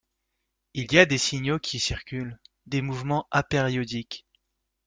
il y a des signaux qui circulent, des mouvements apériodiques.